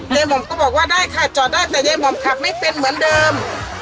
หม่อมก็บอกว่าได้ค่ะจอดได้แต่ยายหม่อมขับไม่เป็นเหมือนเดิม